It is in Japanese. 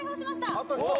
あと１つ。